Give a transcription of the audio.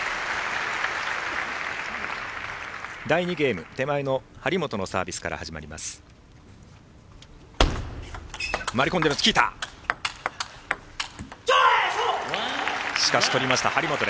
第２ゲーム、張本のサービスから始まりました。